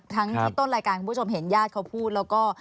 ทั้งที่ต้นรายการคุณผู้ชมเห็นญาติเขาพูดแล้วก็